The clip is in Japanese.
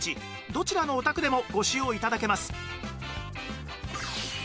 どちらのお宅でもご使用頂けます